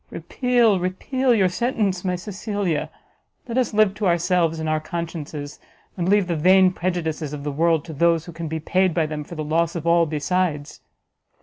Repeal, repeal your sentence, my Cecilia! let us live to ourselves and our consciences, and leave the vain prejudices of the world to those who can be paid by them for the loss of all besides!"